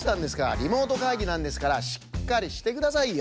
リモートかいぎなんですからしっかりしてくださいよ。